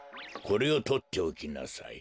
これをとっておきなさい。